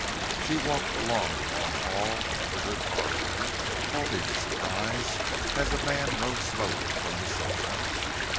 She walked along the long hall and entered her parlor, halting in surprise as a man rose slowly from the sofa.